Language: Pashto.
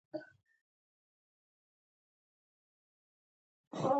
لازمه ده چې له دوه رنګۍ، دوه مخۍ ځان وژغورو.